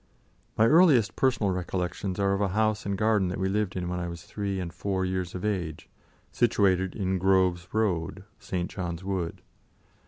My earliest personal recollections are of a house and garden that we lived in when I was three and four years of age, situated in Grove Road, St. John's Wood.